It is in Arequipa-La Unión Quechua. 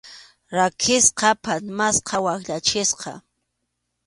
Rakisqa, phatmasqa, wakyachisqa.